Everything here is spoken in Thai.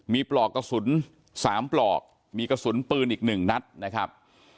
มีปลอกกระสุน๓ปลอกมีกระสุนปืนอีก๑นัดนะครับ